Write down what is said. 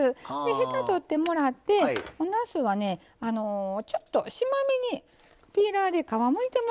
ヘタ取ってもらっておなすはねちょっと縞目にピーラーで皮をむいてもらいます。